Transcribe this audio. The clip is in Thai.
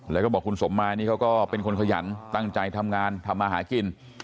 แล้วก็บอกคุณสมมานี่เขาก็เป็นคนขยันตั้งใจทำงานทำมาหากิน